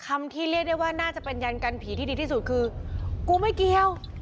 ที่เรียกได้ว่าน่าจะเป็นยันกันผีที่ดีที่สุดคือกูไม่เกี่ยว